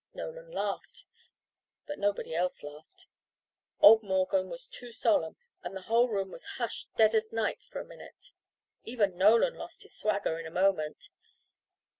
Nolan laughed. But nobody else laughed. Old Morgan was too solemn, and the whole room was hushed dead as night for a minute. Even Nolan lost his swagger in a moment.